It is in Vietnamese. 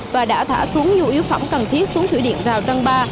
và đã thả xuống nhu yếu phẩm cần thiết xuống thủy điện rào trăng ba